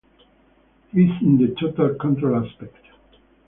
He's in the total-control aspect.